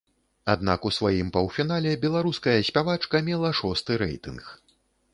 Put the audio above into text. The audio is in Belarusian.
Аднак у сваім паўфінале беларуская спявачка мела шосты рэйтынг.